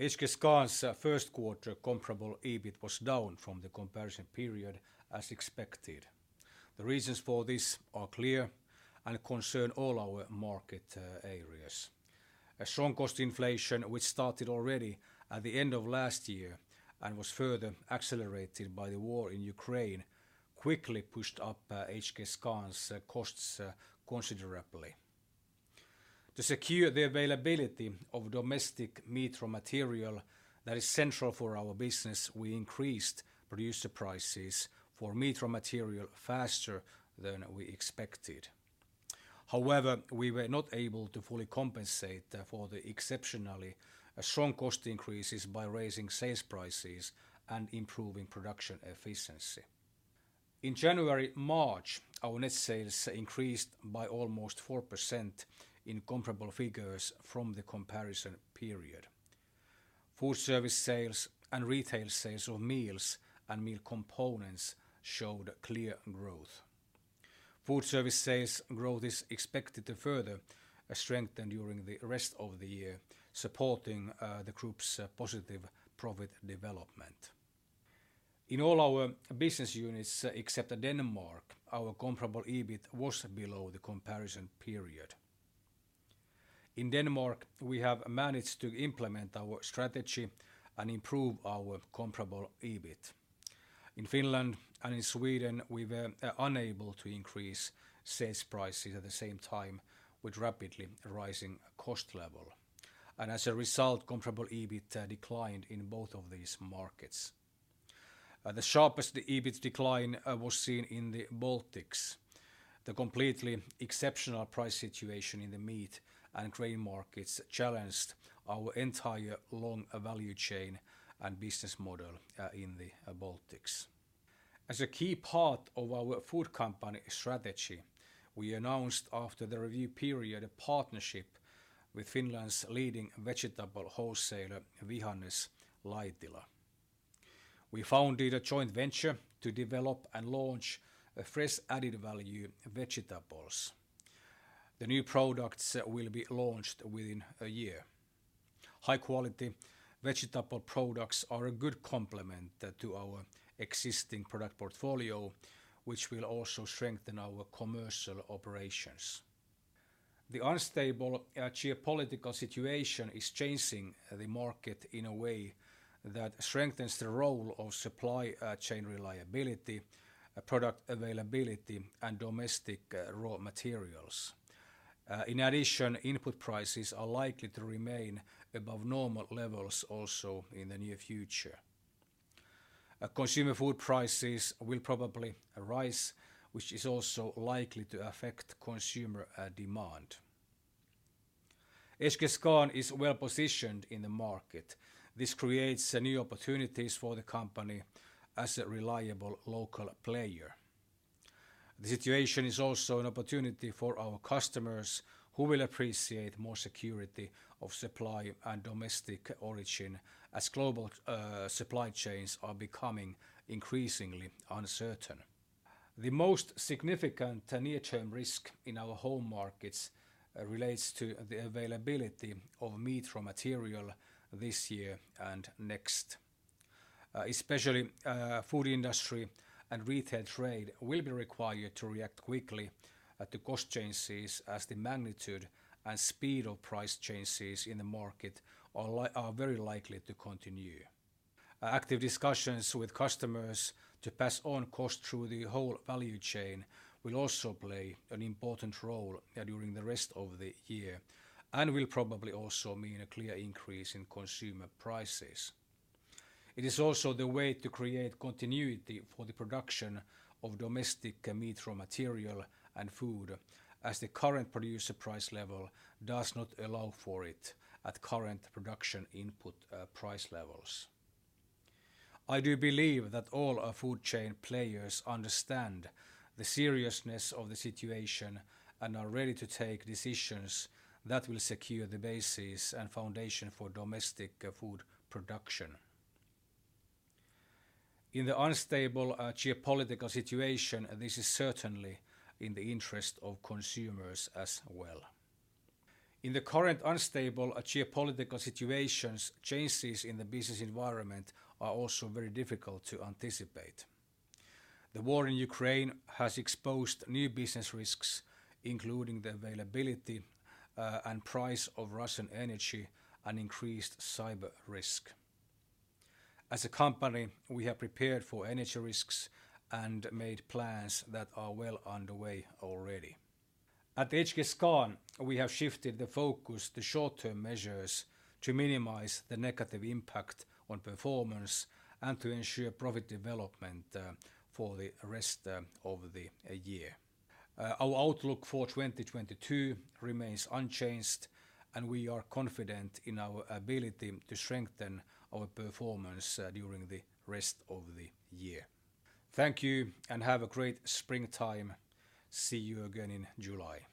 HKScan's Q1 comparable EBIT was down from the comparison period as expected. The reasons for this are clear and concern all our market areas. A strong cost inflation which started already at the end of last year and was further accelerated by the war in Ukraine quickly pushed up HKScan's costs considerably. To secure the availability of domestic meat raw material that is central for our business, we increased producer prices for meat raw material faster than we expected. However, we were not able to fully compensate for the exceptionally strong cost increases by raising sales prices and improving production efficiency. In January-March, our net sales increased by almost 4% in comparable figures from the comparison period. Food service sales and retail sales of meals and meal components showed clear growth. Food service sales growth is expected to further strengthen during the rest of the year, supporting the group's positive profit development. In all our business units except Denmark, our comparable EBIT was below the comparison period. In Denmark, we have managed to implement our strategy and improve our comparable EBIT. In Finland and in Sweden, we were unable to increase sales prices at the same time with rapidly rising cost level. As a result, comparable EBIT declined in both of these markets. The sharpest EBIT decline was seen in the Baltics. The completely exceptional price situation in the meat and grain markets challenged our entire long value chain and business model in the Baltics. As a key part of our food company strategy, we announced after the review period a partnership with Finland's leading vegetable wholesaler, Vihannes-Laitila. We founded a joint venture to develop and launch a fresh added value vegetables. The new products will be launched within a year. High quality vegetable products are a good complement to our existing product portfolio, which will also strengthen our commercial operations. The unstable geopolitical situation is changing the market in a way that strengthens the role of supply chain reliability, product availability, and domestic raw materials. In addition, input prices are likely to remain above normal levels also in the near future. Consumer food prices will probably rise, which is also likely to affect consumer demand. HKScan is well-positioned in the market. This creates new opportunities for the company as a reliable local player. The situation is also an opportunity for our customers who will appreciate more security of supply and domestic origin as global supply chains are becoming increasingly uncertain. The most significant near-term risk in our home markets relates to the availability of meat raw material this year and next. Especially, food industry and retail trade will be required to react quickly to cost changes as the magnitude and speed of price changes in the market are very likely to continue. Active discussions with customers to pass on cost through the whole value chain will also play an important role during the rest of the year and will probably also mean a clear increase in consumer prices. It is also the way to create continuity for the production of domestic meat raw material and food as the current producer price level does not allow for it at current production input, price levels. I do believe that all our food chain players understand the seriousness of the situation and are ready to take decisions that will secure the basis and foundation for domestic food production. In the unstable, geopolitical situation, this is certainly in the interest of consumers as well. In the current unstable geopolitical situations, changes in the business environment are also very difficult to anticipate. The war in Ukraine has exposed new business risks, including the availability, and price of Russian energy and increased cyber risk. As a company, we have prepared for energy risks and made plans that are well underway already. At HKScan, we have shifted the focus to short-term measures to minimize the negative impact on performance and to ensure profit development, for the rest of the year. Our outlook for 2022 remains unchanged, and we are confident in our ability to strengthen our performance during the rest of the year. Thank you, and have a great springtime. See you again in July.